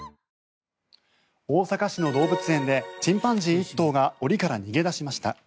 大阪市の動物園でチンパンジー１頭が檻から逃げ出しました。